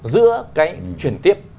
giữa cái chuyển tiếp